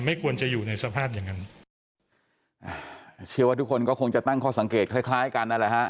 ไม่ควรจะอยู่ในสภาพอย่างนั้นอ่าเชื่อว่าทุกคนก็คงจะตั้งข้อสังเกตคล้ายคล้ายกันนั่นแหละฮะ